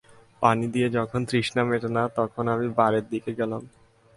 পানি দিয়ে যখন তৃষ্ণা মিটে না তখন আমি বারের দিকে গেলাম।